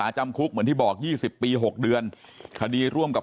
แล้วก็ชิงตัวผู้ต้องหาด้วยนะครับ